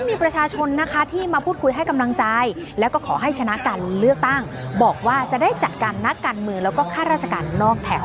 มีประชาชนนะคะที่มาพูดคุยให้กำลังใจแล้วก็ขอให้ชนะการเลือกตั้งบอกว่าจะได้จัดการนักการเมืองแล้วก็ข้าราชการนอกแถว